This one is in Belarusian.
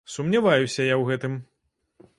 Сумняваюся я ў гэтым.